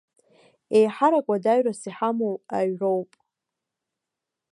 Еиҳарак уадаҩрас иҳамоу аҩроуп.